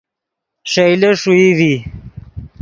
ݰئیلے ݰوئی ڤی